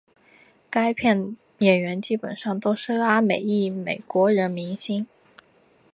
该片演员基本上都是拉美裔美国人明星。